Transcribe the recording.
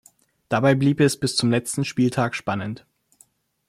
Dabei blieb es bis zum letzten Spieltag spannend.